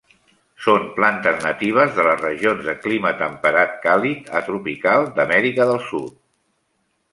Són plantes natives de les regions de clima temperat càlid a tropical d'Amèrica del Sud.